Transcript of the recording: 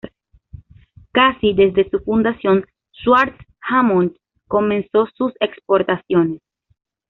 Casi desde su fundación Schwartz-Hautmont comenzó sus exportaciones.